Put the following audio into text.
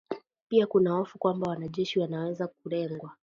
Pia kuna hofu kwamba wanajeshi wanaweza kulengwa